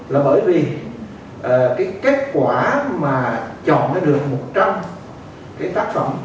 là bởi vì kết quả mà chọn được một trăm linh tác phẩm